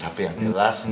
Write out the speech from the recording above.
tapi yang jelas